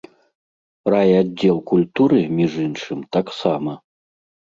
Райаддзел культуры, між іншым, таксама.